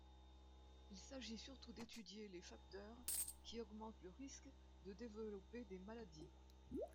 Il s'agit surtout d'étudier les facteurs qui augmentent le risque de développer des maladies.